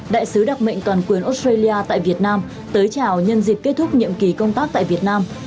đại sứ đặc mệnh toàn quyền australia tại việt nam tới chào nhân dịp kết thúc nhiệm kỳ công tác tại việt nam